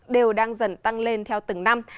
đều đang dần tăng lên theo từng năm